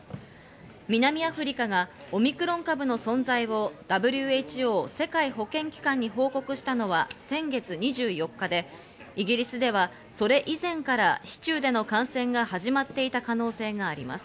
南アフリカがオミクロン株の存在をＷＨＯ＝世界保健機関に報告したのは先月２４日でイギリスではそれ以前から市中での感染が始まっていた可能性があります。